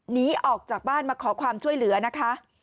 หนีออกจากบ้านมาขอความช่วยเหลือนะคะ